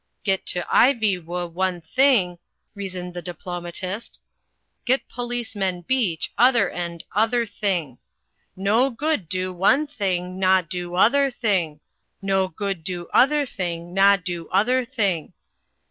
"Get to Ivywoo' one thing," reasoned the diploma tist. "Get policemen beach other end other thing. No good do one thing no' do other thing, 'no goo' do other thing no' do other thing.